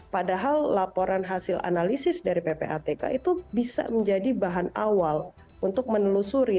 padahal laporan hasil analisis dari ppatk itu bisa menjadi bahan awal untuk menelusuri